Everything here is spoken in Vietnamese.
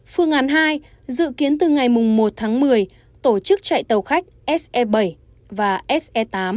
phương án hai dự kiến từ ngày một tháng một mươi tổ chức chạy tàu khách se bảy và se tám